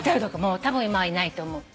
たぶん今はいないと思う。